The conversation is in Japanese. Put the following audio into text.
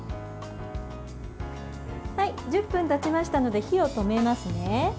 １０分たちましたので火を止めますね。